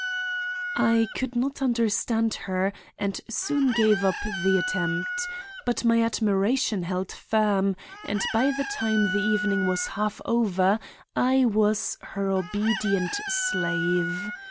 I could not understand her, and soon gave up the attempt; but my admiration held firm, and by the time the evening was half over I was her obedient slave.